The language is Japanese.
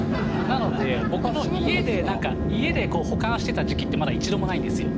なので僕の家で何か家で保管してた時期ってまだ一度もないんですよ。